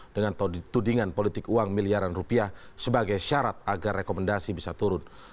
dengan tudingan politik uang miliaran rupiah sebagai syarat agar rekomendasi bisa turun